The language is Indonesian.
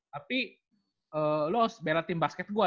tapi lu bela tim basket gua